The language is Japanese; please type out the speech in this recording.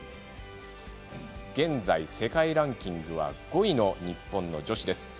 現在、世界ランキング５位の日本の女子。